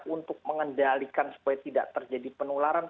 untuk mengendalikan supaya tidak terjadi penularan